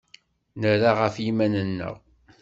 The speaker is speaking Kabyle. Nerra ɣef yiman-nneɣ.